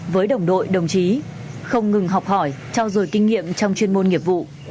với đồng đội đồng chí không ngừng học hỏi trao dồi kinh nghiệm trong chuyên môn nghiệp vụ